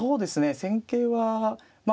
戦型はまあ